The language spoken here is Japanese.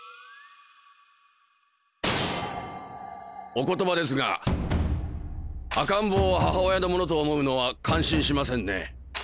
お言葉ですが赤ん坊を母親のものと思うのは感心しませんね。